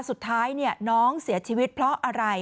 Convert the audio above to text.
สุดท้ายน้องเสียชีวิตเพราะอะไร